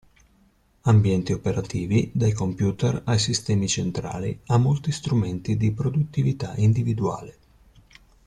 Ambienti operativi dai computer ai sistemi centrali, a molti strumenti di produttività individuale.